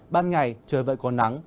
ban ngày trời vẫn còn nắng